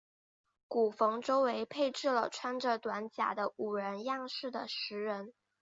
古坟周围配置了穿着短甲的武人样式的石人。